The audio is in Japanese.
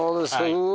うわ！